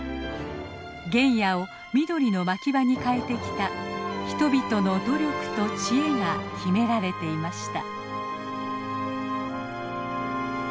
原野を緑の牧場に変えてきた人々の努力と知恵が秘められていました。